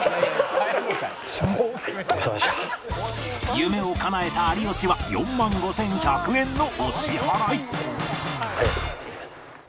夢をかなえた有吉は４万５１００円のお支払い